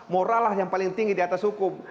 morallah yang paling tinggi di atas hukum